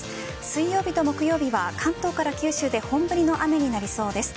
水曜日と木曜日は関東から九州で本降りの雨になりそうです。